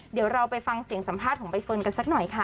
เดี๋ยวเราไปฟังเสียงสัมภาษณ์ของใบเฟิร์นกันสักหน่อยค่ะ